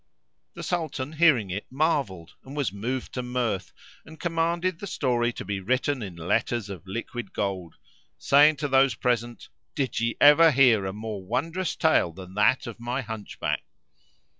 The Sultan hearing it marvelled and was moved to mirth and commanded the story to be written in letters of liquid gold, saying to those present, "Did ye ever hear a more wondrous tale than that of my Hunchback?"